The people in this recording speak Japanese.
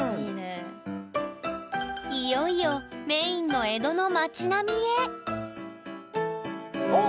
いよいよメインの江戸の町並みへおっ！